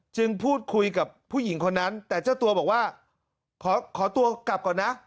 พูดคุยกับผู้หญิงคนนั้นแต่เจ้าตัวบอกว่าขอตัวกลับก่อนนะ